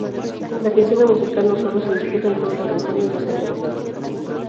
La Quincena Musical no sólo se disfruta en todos los rincones de San Sebastián.